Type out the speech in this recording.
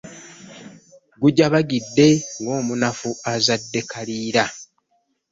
Gujabagidde , ng'omnafu azadde kaliira .